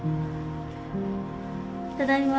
ただいま。